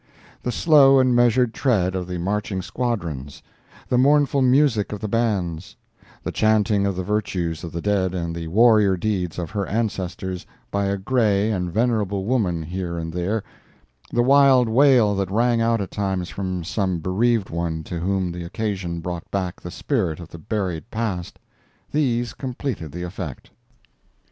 The slow and measured tread of the marching squadrons; the mournful music of the bands; the chanting of the virtues of the dead and the warrior deeds of her ancestors, by a gray and venerable woman here and there, the wild wail that rang out at times from some bereaved one to whom the occasion brought back the spirit of the buried past—these completed the effect.